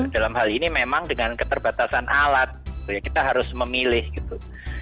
dalam hal ini memang dengan keterbatasan alat kita harus memilih gitu